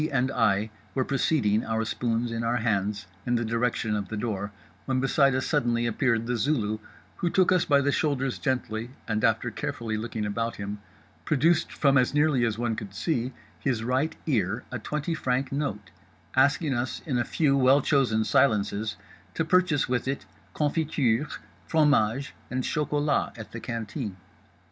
and I were proceeding (our spoons in our hands) in the direction of the door, when beside us suddenly appeared The Zulu—who took us by the shoulders gently and (after carefully looking about him) produced from, as nearly as one could see, his right ear a twenty franc note; asking us in a few well chosen silences to purchase with it confiture, fromage, and chocolat at the canteen.